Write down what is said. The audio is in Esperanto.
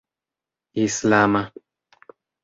islama